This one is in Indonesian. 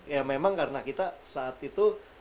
ya memang karena kita saat itu